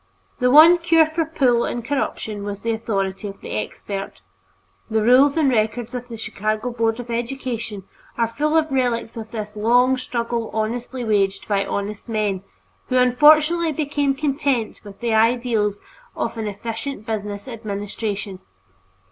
The one cure for "pull" and corruption was the authority of the "expert." The rules and records of the Chicago Board of Education are full of relics of this long struggle honestly waged by honest men, who unfortunately became content with the ideals of an "efficient business administration."